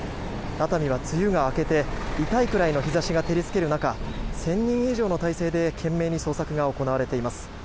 熱海は梅雨が明けて痛いくらいの日差しが照りつける中１０００人以上の態勢で懸命に捜索が行われています。